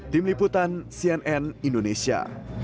tim liputan cnn indonesia